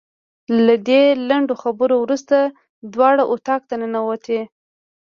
د دې لنډو خبرو وروسته دواړه اتاق ته ننوتې.